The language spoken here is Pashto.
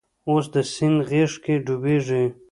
اوس د سیند غیږ کې ډوبیږې